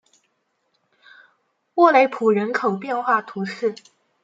沃雷普人口变化图示